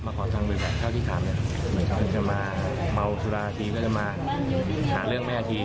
เอาที่ถามซิบข้างไปจะมาเมาสุราษีขายะเรื่องแม่ครีม